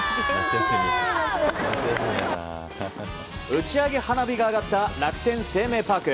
打ち上げ花火が上がった楽天生命パーク。